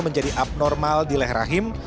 menjadi abnormal di leh rahim